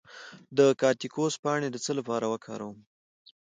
د کاکتوس پاڼې د څه لپاره وکاروم؟